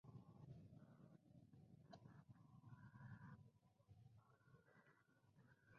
It is located in the city of Arcueil.